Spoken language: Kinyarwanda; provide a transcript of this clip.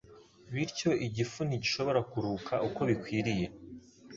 Bityo, igifu ntigishobora kuruhuka uko bikwiriye,